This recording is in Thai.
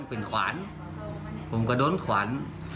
เป็นขวานผมก็โดนขวาน